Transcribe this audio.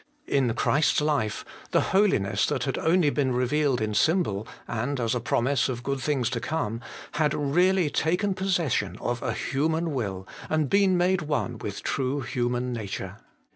In Christ's life, the holiness that had only been revealed in symbol, and as a promise of good things to come, had really taken possession of a human will, and been made one with true human nature.